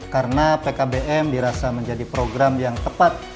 karena pkbm dirasa menjadi program yang tepat